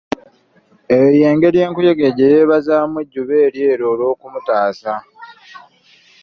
Eyo y'engeri enkuyege gye yebazaamu ejjuba eryeru olw'okumutaasa.